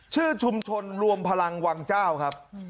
ชื่อชุมชนรวมพลังวังเจ้าครับ